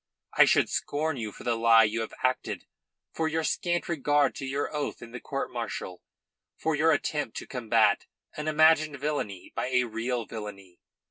I should scorn you for the lie you have acted, for your scant regard to your oath in the court martial, for your attempt to combat an imagined villainy by a real villainy.